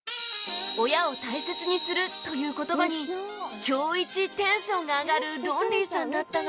「親を大切にする」という言葉に今日イチテンションが上がるロンリーさんだったが